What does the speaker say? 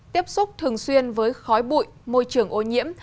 tiếp xúc thường xuyên với khói bụi môi trường ô nhiễm